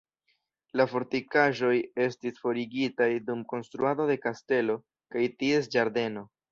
La fortikaĵoj estis forigitaj dum konstruado de kastelo kaj ties ĝardeno.